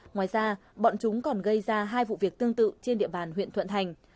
ngoài ra bọn chúng còn gây ra hai vụ việc tương tự trên địa bàn huyện thuận thành